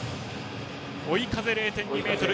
追い風０．２メートル。